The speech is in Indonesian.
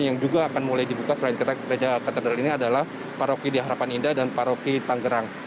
yang juga akan mulai dibuka selain gereja katedral ini adalah paroki di harapan indah dan paroki tanggerang